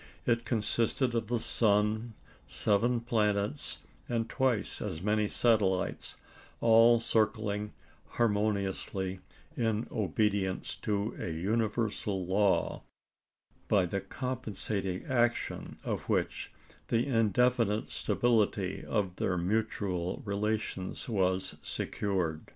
It consisted of the sun, seven planets, and twice as many satellites, all circling harmoniously in obedience to a universal law, by the compensating action of which the indefinite stability of their mutual relations was secured.